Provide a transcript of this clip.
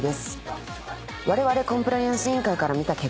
われわれコンプライアンス委員会から見た結果をお伝えします。